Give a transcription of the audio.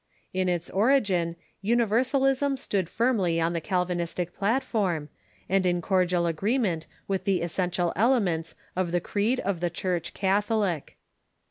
In its origin, Universalism stood iirmly on the Calvinistic platform, and in cordial agree ment with the essential elements of the creed of the Church catholic.